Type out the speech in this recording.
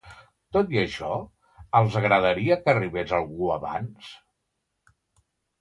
Tot i això, els agradaria que arribés algú abans?